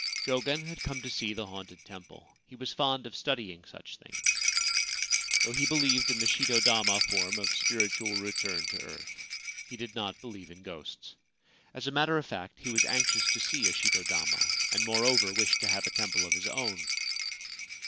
Jogen had come to see the haunted temple. He was fond of studying such things. Though he believed in the shito dama form of spiritual return to earth, he did not believe in ghosts. As a matter of fact, he was anxious to see a shito dama, and, moreover, wished to have a temple of his own.